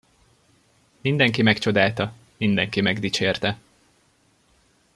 Mindenki megcsodálta, mindenki megdicsérte.